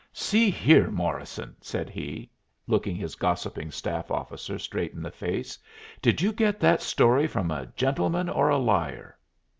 "See here, Morrison," said he, looking his gossiping staff officer straight in the face, "did you get that story from a gentleman or a liar?"